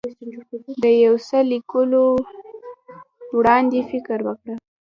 د یو څه د لیکلو وړاندې فکر وکړه.